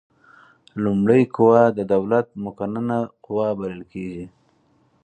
لومړۍ قوه د دولت مقننه قوه بلل کیږي.